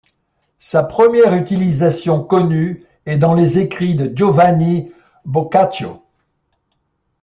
Sa première utilisation connue est dans les écrits de Giovanni Boccaccio.